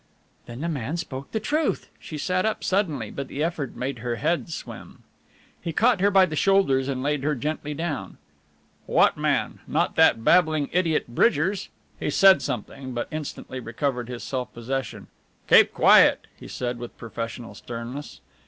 "Then the man spoke the truth!" She sat up suddenly, but the effort made her head swim. He caught her by the shoulders and laid her gently down. "What man not that babbling idiot, Bridgers?" He said something, but instantly recovered his self possession. "Keep quiet," he said with professional sternness.